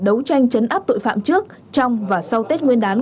đấu tranh chấn áp tội phạm trước trong và sau tết nguyên đán